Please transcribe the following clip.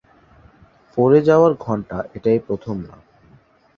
পড়ে যাওয়ার ঘটনা এটাই প্রথম না।